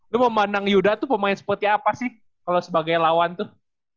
lu memandang yuda tuh pemain seperti apa sih kalau sebagai lawan tuh